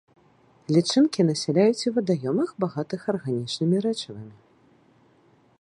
Лічынкі насяляюць у вадаёмах, багатых арганічнымі рэчывамі.